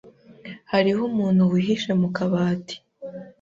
Hariho umuntu wihishe mu kabati.